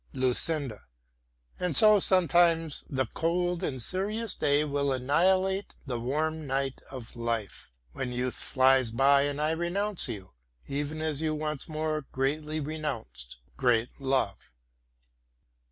LUCINDA And so sometimes the cold and serious day will annihilate the warm night of life, when youth flies by and I renounce you, even as you once more greatly renounced great love.